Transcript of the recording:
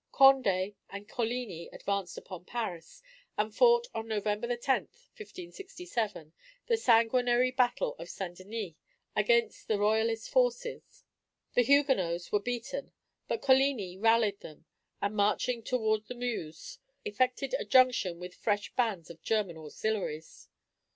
Condé and Coligni advanced upon Paris, and fought on November 10, 1567, the sanguinary battle of St. Denys against the Royalist forces. The Huguenots were beaten, but Coligni rallied them, and marching toward the Meuse, effected a junction with fresh bands of German auxiliaries.